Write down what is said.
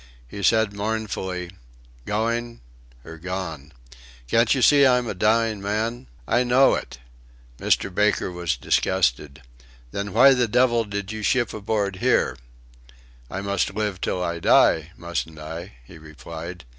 He said mournfully: "Going or gone. Can't you see I'm a dying man? I know it!" Mr. Baker was disgusted. "Then why the devil did you ship aboard here?" "I must live till I die mustn't I?" he replied.